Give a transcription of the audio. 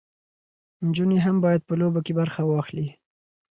نجونې هم باید په لوبو کې برخه واخلي.